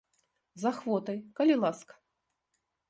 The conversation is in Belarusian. З ахвотай, калі ласка.